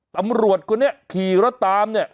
ตำรวจคนนี้ขี่รถตามเนี่ย